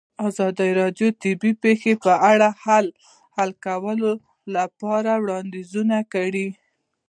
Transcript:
ازادي راډیو د طبیعي پېښې په اړه د حل کولو لپاره وړاندیزونه کړي.